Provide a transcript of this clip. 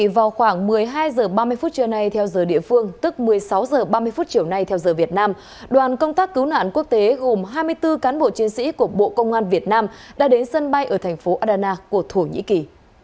vào khoảng một mươi hai h ba mươi phút trưa nay theo giờ địa phương tức một mươi sáu h ba mươi phút chiều nay theo giờ việt nam đoàn công tác cứu nạn quốc tế gồm hai mươi bốn cán bộ chiến sĩ của bộ công an việt nam đã đến sân bay ở thành phố adana của thổ nhĩ kỳ